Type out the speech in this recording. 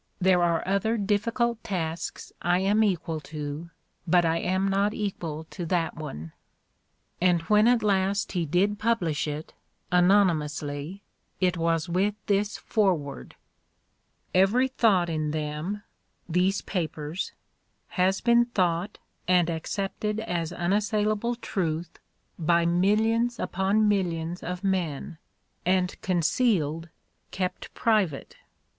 There are other difficult tasks I am equal to, but I am not equal to that one." And when at last he did publish it, anonymously, it was with this foreword: "Every thought in them [these papers] has been thought (and Those Extraordinary Twins 185 accepted as unassailable truth) by millions upon mil lions of men — and concealed, kept private.